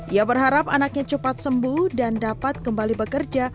ia berharap anaknya cepat sembuh dan dapat kembali bekerja